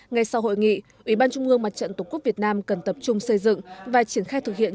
ngay sau hội nghị ủy ban trung ương mặt trận tổ quốc việt nam cần tập trung xây dựng và triển khai thực hiện